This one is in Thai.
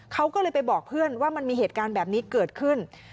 เขาก็เลยไปบอกเพื่อนว่ามันมีเหตุการณ์แบบนี้เกิดขึ้น